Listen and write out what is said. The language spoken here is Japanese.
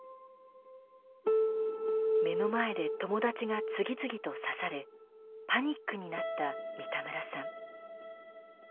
目の前で友達が次々と刺されパニックになった三田村さん。